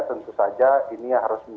tentu saja ini harus diperhatikan dengan baik